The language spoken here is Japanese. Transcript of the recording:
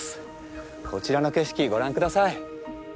こちらの景色ご覧ください！